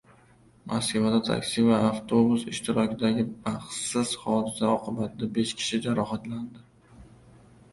Moskvada taksi va avtobus ishtirokidagi baxsiz hodisa oqibatida besh kishi jarohatlandi